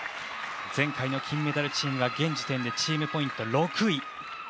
前回金メダルのチームが現時点でチームポイントが６位。